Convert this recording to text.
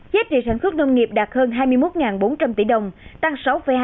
giá trị sản xuất nông nghiệp đạt hơn hai mươi một bốn trăm linh tỷ đồng tăng sáu hai